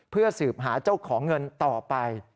เพื่อสืบหาเจ้าของเงินต่อไป